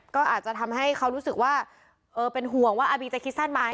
ก็อาจจะทำให้เขารู้สึกว่าเออเป็นห่วงว่าอาบีจะคิดสั้นไหม